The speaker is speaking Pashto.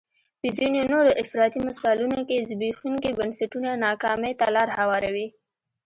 په ځینو نورو افراطي مثالونو کې زبېښونکي بنسټونه ناکامۍ ته لار هواروي.